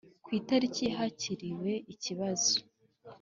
Ku itariki ya hakiriwe ikibazo